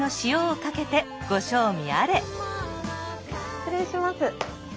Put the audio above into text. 失礼します。